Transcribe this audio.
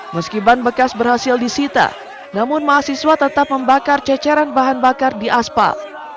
meski ban bekas berhasil disita namun mahasiswa tetap membakar ceceran bahan bakar di aspal